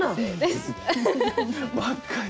若い。